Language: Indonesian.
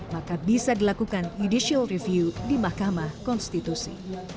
maka bisa dilakukan judicial review di mahkamah konstitusi